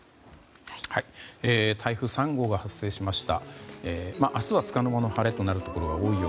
台風３号が発生しました。